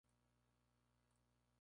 Esta disponible en netflix.